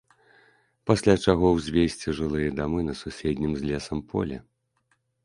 Пасля чаго ўзвесці жылыя дамы на суседнім з лесам полі.